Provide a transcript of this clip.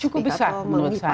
cukup besar menurut saya